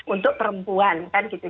untuk perempuan kan gitu